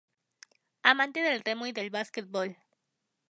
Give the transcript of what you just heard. Amante del remo y del básquetbol.